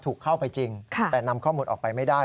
ถูกเข้าไปจริงแต่นำข้อมูลออกไปไม่ได้